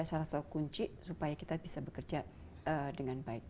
salah satu kunci supaya kita bisa bekerja dengan baik